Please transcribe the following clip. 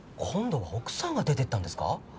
今度は奥さんが出てったんですか？